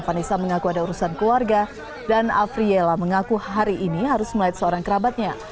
vanessa mengaku ada urusan keluarga dan afriela mengaku hari ini harus melihat seorang kerabatnya